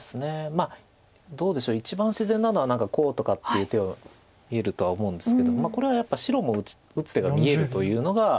まあどうでしょう一番自然なのは何かこうとかっていう手は見えるとは思うんですけどこれはやっぱり白も打つ手が見えるというのが。